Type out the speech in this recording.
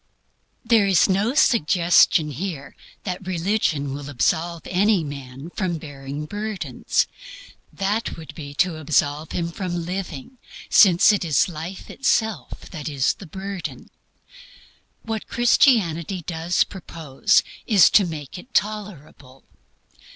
There is no suggestion here that religion will absolve any man from bearing burdens. That would be to absolve him from living, since it is life itself that is the burden. What Christianity does propose is to make it tolerable.